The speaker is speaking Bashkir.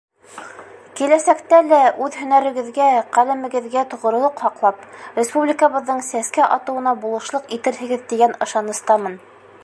Киләсәктә лә үҙ һөнәрегеҙгә, ҡәләмегеҙгә тоғролоҡ һаҡлап, республикабыҙҙың сәскә атыуына булышлыҡ итерһегеҙ тигән ышаныстамын.